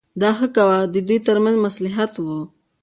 دا ښه کوه د دوی ترمنځ مصلحت و.